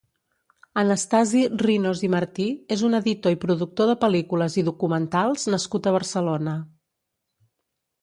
Anastasi Rinos i Martí és un editor i productor de pel·lícules i documentals nascut a Barcelona.